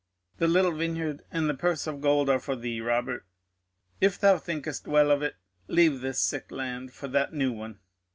The little vineyard and the purse of gold are for thee, Robert. If thou thinkest well of it, leave this sick land for that new one.